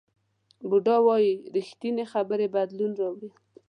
بودا وایي ریښتینې خبرې بدلون راوړي.